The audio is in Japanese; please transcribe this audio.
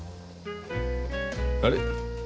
あれ？